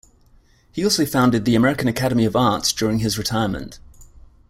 He also founded the American Academy of Arts during his retirement.